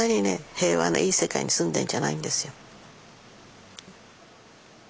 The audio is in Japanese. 平和ないい世界に住んでんじゃないんですよ。